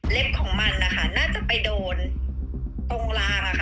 เล็บของมันน่าจะไปโดนตรงราก